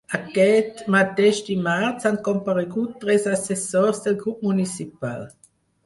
Aquest mateix dimarts han comparegut tres assessors del grup municipal.